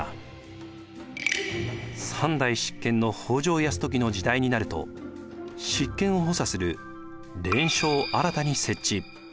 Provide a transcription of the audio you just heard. ３代執権の北条泰時の時代になると執権を補佐する連署を新たに設置。